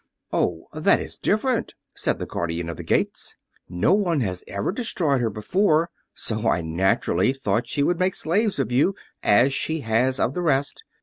"Oh, that is different," said the Guardian of the Gates. "No one has ever destroyed her before, so I naturally thought she would make slaves of you, as she has of the rest.